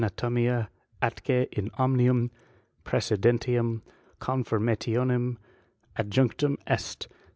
tomia atqae in omnium pnecedentium confirmationem adjunctumest; III.